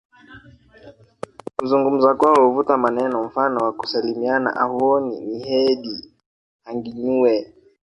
Kuzungumza kwao huvuta maneno mfano wa kusalimiana Ahooni niheedi hanginyuwe